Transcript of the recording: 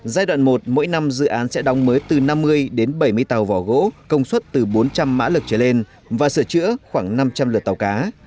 giai đoạn một mỗi năm dự án sẽ đóng mới từ năm mươi đến bảy mươi tàu vỏ gỗ công suất từ bốn trăm linh mã lực trở lên và sửa chữa khoảng năm trăm linh lượt tàu cá